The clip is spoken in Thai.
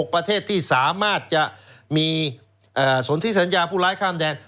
ประเทศที่สามารถจะมีสนที่สัญญาผู้ร้ายข้ามแดน